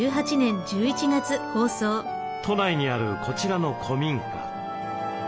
都内にあるこちらの古民家。